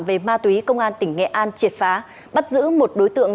về ma túy công an tỉnh nghệ an triệt phá bắt giữ một đối tượng